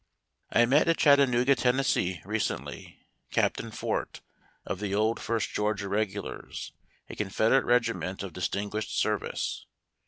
I met at Chattanooga, Tenn., recently, Captain Fort, of the old First Georgia Regulars, a Confederate regiment of distinguished service.